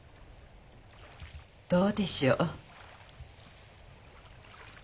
どうでしょう。